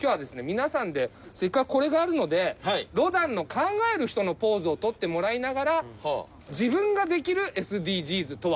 皆さんでせっかくこれがあるのでロダンの『考える人』のポーズをとってもらいながら自分ができるＳＤＧｓとは。